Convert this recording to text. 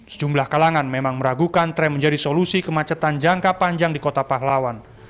sejumlah kalangan memang meragukan tram menjadi solusi kemacetan jangka panjang di kota pahlawan